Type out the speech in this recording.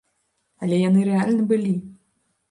Але яны рэальна былі.